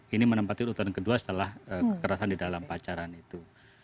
ini menempati urutan kedua setelah kekerasan di dalam pacaran itu